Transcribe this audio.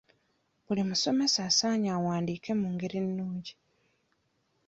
Buli musomesa asaanye awandiike mu ngeri ennungi.